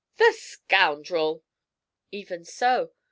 'The scoundrel!' 'Even so.